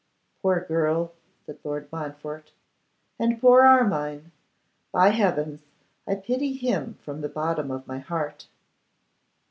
'Poor girl!' said Lord Montfort, 'and poor Armine! By heavens, I pity him from the bottom of my heart.